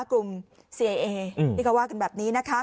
กลุ่มเซียร์อะหมาก็บอกว่าแบบนี้